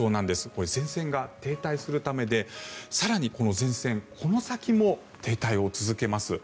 これ、前線が停滞するためで更にこの前線この先も停滞を続けます。